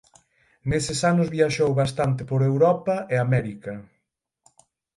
Neses anos viaxou bastante por Europa e América.